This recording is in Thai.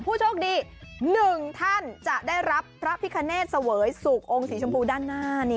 ผู้โชคดี๑ท่านจะได้รับพระพิคเนตเสวยสุของค์สีชมพูด้านหน้า